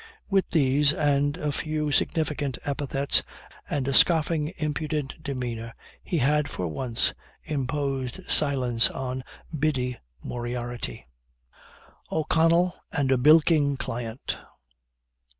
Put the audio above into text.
With these, and a few significant epithets, and a scoffing, impudent demeanor, he had for once imposed silence on Biddy Moriarty. O'CONNELL AND A BILKING CLIENT.